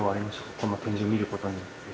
この展示を見ることによって。